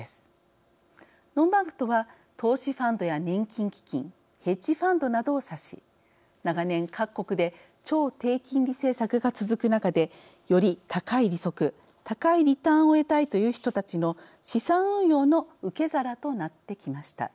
ノンバンクとは投資ファンドや年金基金ヘッジファンドなどを指し長年各国で超低金利政策が続く中でより高い利息高いリターンを得たいという人たちの資産運用の受け皿となってきました。